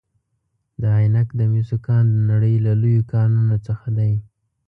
د عینک د مسو کان د نړۍ له لویو کانونو څخه دی.